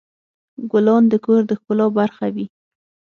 ګلان د کور د ښکلا برخه وي.